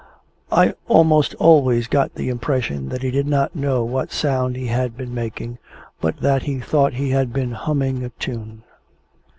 I almost always got the impression that he did not know what sound he had been making, but that he thought he had been humming a tune.